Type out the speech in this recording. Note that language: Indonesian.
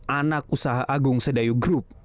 anak usaha agung sedayu group